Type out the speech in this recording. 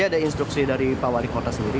ada instruksi dari pak wali kota sendiri